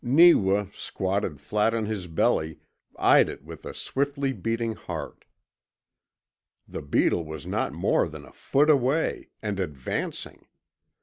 Neewa, squatted flat on his belly, eyed it with a swiftly beating heart. The beetle was not more than a foot away, and ADVANCING!